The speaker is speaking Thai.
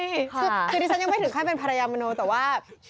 คือดิสเตอร์ยังไม่ถึงให้เป็นพระยามโมนแต่ว่า